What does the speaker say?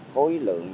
năm mươi khối lượng